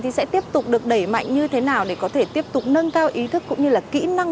thì sẽ tiếp tục được đẩy mạnh như thế nào để có thể tiếp tục nâng cao ý thức cũng như là kỹ năng